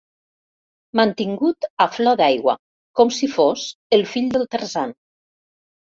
Mantingut a flor d'aigua, com si fos el fill del Tarzan.